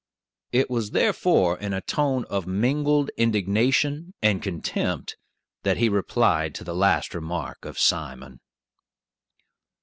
It was therefore in a tone of mingled indignation and contempt that he replied to the last remark of Simon.